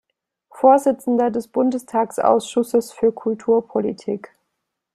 Vorsitzender des Bundestagsausschusses für Kulturpolitik.